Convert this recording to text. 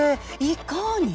いかに？